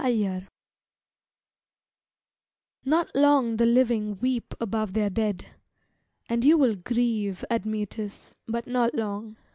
Alcestis Not long the living weep above their dead, And you will grieve, Admetus, but not long.